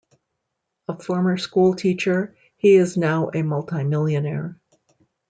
A former school teacher, he is now a multi-millionaire.